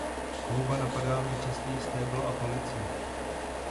Houba napadá nejčastěji stébla a palice.